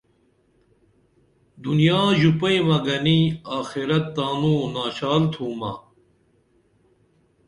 دنیا ژوپئیمہ گنی آخرت تانوں ناشال تھومہ